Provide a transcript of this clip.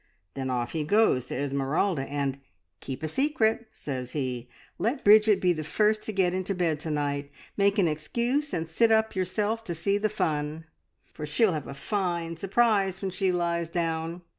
Then off he goes to Esmeralda, and `Keep a secret!' says he. `Let Bridget be the first to get into bed to night. Make an excuse and sit up yourself to see the fun, for she'll have a fine surprise when she lies down.'